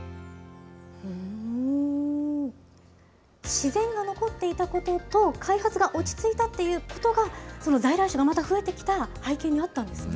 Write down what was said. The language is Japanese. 自然が残っていたことと、開発が落ち着いたっていうことが、在来種がまた増えてきた背景にあったんですね。